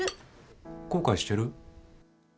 後悔してる？